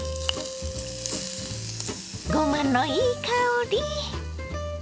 ごまのいい香り。